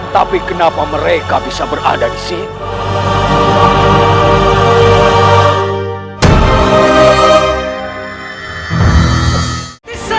tapi kenapa mereka bisa berada di sini